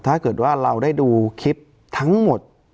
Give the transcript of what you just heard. ถ้าเกิดว่าเราได้ดูคลิปทั้งหมด